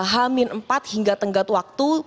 hamin empat hingga tenggat waktu